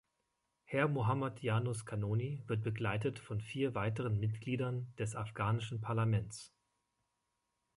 Herr Mohammad Yonus Qanoni wird begleitet von vier weiteren Mitgliedern des afghanischen Parlaments.